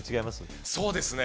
そうですね